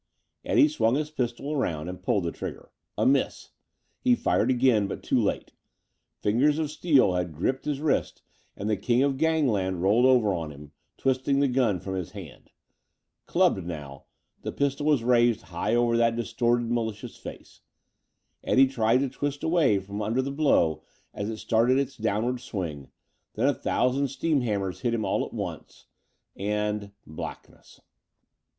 Eddie swung his pistol around and pulled the trigger. A miss! He fired again, but too late. Fingers of steel had gripped his wrist and the king of gangland rolled over on him, twisting the gun from his hand. Clubbed now, the pistol was raised high over that distorted, malicious face. Eddie tried to twist away from under the blow as it started its downward swing, then a thousand steam hammers hit him all at once and ... blackness....